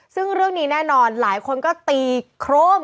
ซึ่งเรื่องนี้แน่นอนหลายคนก็ตีโครม